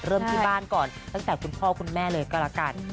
เริ่มที่บ้านก่อนตั้งแต่คุณพ่อคุณแม่เลยก็แล้วกัน